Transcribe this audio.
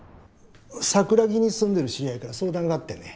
桜木に住んでる知り合いから相談があってね。